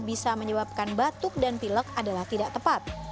bisa menyebabkan batuk dan pilek adalah tidak tepat